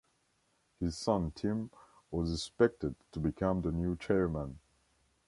His son Tim was expected to become the new chairman.